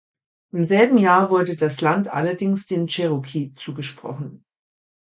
Im selben Jahr wurde das Land allerdings den Cherokee zugesprochen.